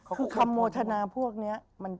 คือคำโมทนาพวกนี้